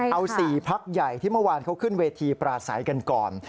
เอา๔พักใหญ่ที่เมื่อวานเขาขึ้นเวทีปราศัยกันก่อน